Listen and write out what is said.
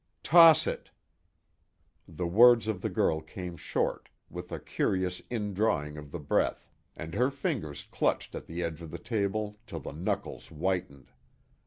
"Toss it!" The words of the girl came short, with a curious indrawing of the breath, and her fingers clutched at the edge of the table till the knuckles whitened.